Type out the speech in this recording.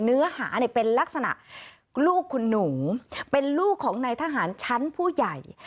เนื้อหาเนี่ยเป็นลักษณะลูกคุณหนูเป็นลูกของนายทหารชั้นผู้ใหญ่